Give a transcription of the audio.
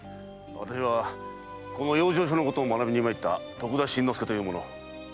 私はこの養生所のことを学びにまいった徳田新之助という者だ。